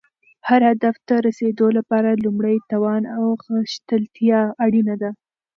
هر هدف ته رسیدو لپاره لومړی توان او غښتلتیا اړینه ده.